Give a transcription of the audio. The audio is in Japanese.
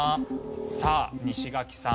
さあ西垣さん